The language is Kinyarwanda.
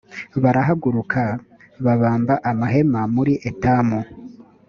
barahahaguruka babamba amahema muri etamu